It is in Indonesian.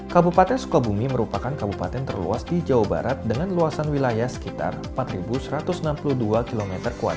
kabupaten sukabumi merupakan kabupaten terluas di jawa barat dengan luasan wilayah sekitar empat satu ratus enam puluh dua km